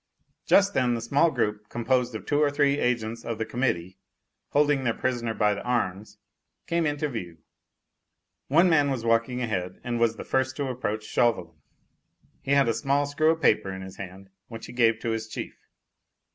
Just then the small group, composed of two or three agents of the Committee, holding their prisoner by the arms, came into view. One man was walking ahead and was the first to approach Chauvelin. He had a small screw of paper in his hand, which he gave to his chief.